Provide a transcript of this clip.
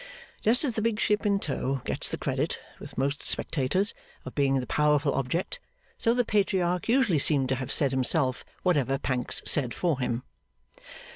Just as the big ship in tow gets the credit, with most spectators, of being the powerful object, so the Patriarch usually seemed to have said himself whatever Pancks said for him.